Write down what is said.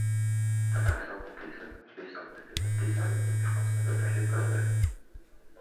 Tatariston muftiysi O‘zbekistondagi muftiy sayloviga mehmon sifatida taklif qilindi